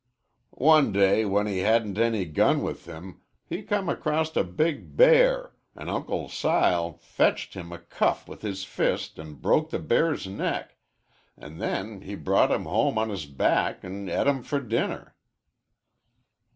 One day when he hadn't any gun with him he come acrost a big bear, an' Uncle Sile fetched him a cuff with his fist an' broke the bear's neck, an' then he brought him home on his back an' et him for dinner."